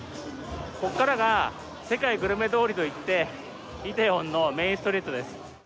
ここからが世界グルメ通りといって、イテウォンのメインストリートです。